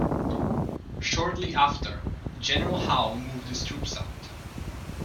Shortly after General Howe moved his troops out.